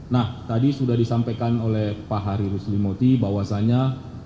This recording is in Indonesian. nah tadi sudah disampaikan oleh pak hari ruslim moti bahwasanya